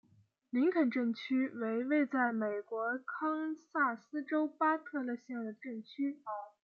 林肯镇区为位在美国堪萨斯州巴特勒县的镇区。